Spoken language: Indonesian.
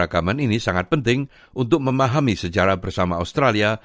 agama ini sangat penting untuk memahami sejarah bersama australia